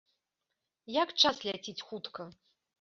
Як час ляціць хутка!